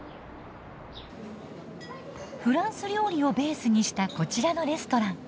フランス料理をベースにしたこちらのレストラン。